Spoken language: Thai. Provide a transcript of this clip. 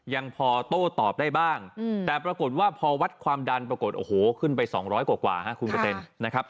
ยังพอโต้ตอบได้บ้างแต่ปรากฏว่าพอวัดความดันปรากฏขึ้นไป๒๐๐กว่านะครับ